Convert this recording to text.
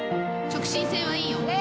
直進性はいいよ。